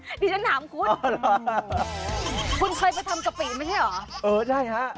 เป็นไหมฮะนี่ฉันถามคุณคุณเคยไปทำกะปิไม่ใช่เหรอเออใช่ฮะ